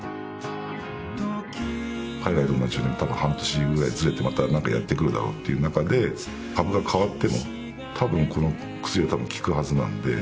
海外と同じように半年くらいずれてまた何かやってくるだろうっていうなかで株が変わってもたぶんこの薬は効くはずなので。